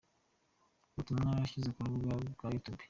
Ubutumwa bwashyize ku rubuga rwa YouTube.